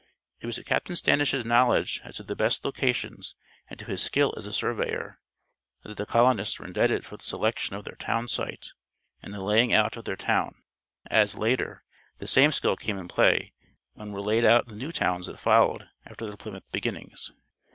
It was to Captain Standish's knowledge as to the best locations and to his skill as a surveyor, that the colonists were indebted for the selection of their town site and the laying out of their town; as, later, the same skill came in play when were laid out the new towns that followed after the Plymouth beginnings.